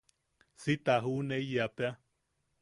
Si ta juʼuneiyapea.